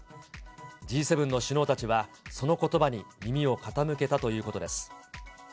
Ｇ７の首脳たちは、そのことばに耳を傾けたということです。